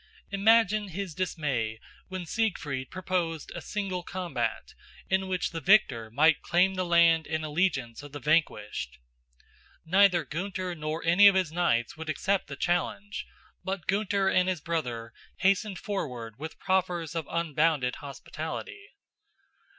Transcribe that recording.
Imagine his dismay when Siegfried proposed a single combat, in which the victor might claim the land and allegiance of the vanquished. Neither Gunther nor any of his knights would accept the challenge; but Gunther and his brother hastened forward with proffers of unbounded hospitality.